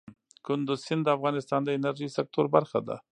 کندز سیند د افغانستان د انرژۍ سکتور برخه ده.